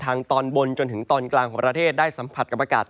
ตอนบนจนถึงตอนกลางของประเทศได้สัมผัสกับอากาศ